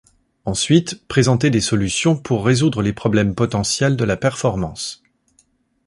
Ensuite, présenter des solutions pour résoudre les problèmes potentiels de la performance.